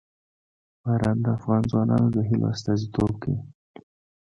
باران د افغان ځوانانو د هیلو استازیتوب کوي.